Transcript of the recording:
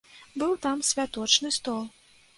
Быў там святочны стол.